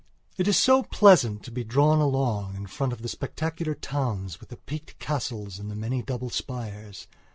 It is so pleasant to be drawn along in front of the spectacular towns with the peaked castles and the many double spires.